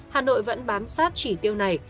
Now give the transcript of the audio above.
hà nội vẫn bám sát chỉ tiêu này